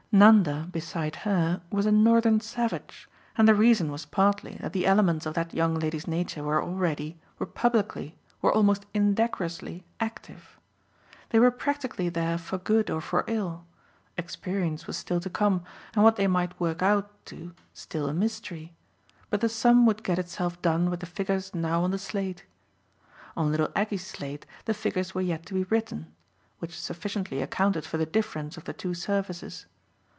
Nanda, beside her, was a Northern savage, and the reason was partly that the elements of that young lady's nature were already, were publicly, were almost indecorously active. They were practically there for good or for ill; experience was still to come and what they might work out to still a mystery; but the sum would get itself done with the figures now on the slate. On little Aggie's slate the figures were yet to be written; which sufficiently accounted for the difference of the two surfaces.